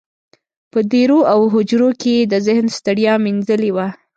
په دېرو او هوجرو کې یې د ذهن ستړیا مینځلې وه.